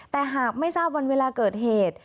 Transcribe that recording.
แต่หากไม่ทราบวันเวลาเกิดเหตุ